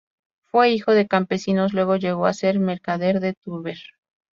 Fue hijo de campesinos, luego llegó a ser mercader de Tver.